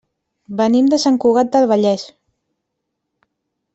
Venim de Sant Cugat del Vallès.